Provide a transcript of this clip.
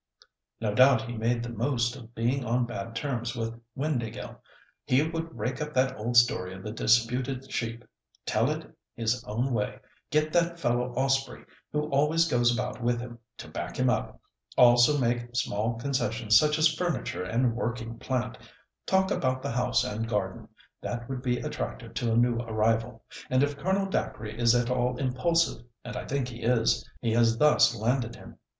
"No doubt he made the most of being on bad terms with Windāhgil. He would rake up that old story of the disputed sheep; tell it his own way; get that fellow Ospreigh, who always goes about with him, to back him up; also make small concessions such as furniture and working plant; talk about the house and garden—they would be attractive to a new arrival; and if Colonel Dacre is at all impulsive—and I think he is—he has thus landed him.